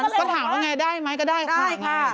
นางก็ถามเขาไงได้มั้ยก็ได้ค่ะ